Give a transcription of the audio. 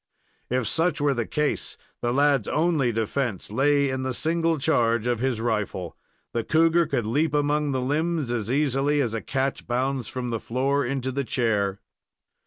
If such were the case, the lad's only defense lay in the single charge of his rifle. The cougar could leap among the limbs as easily as a cat bounds from the floor into the chair.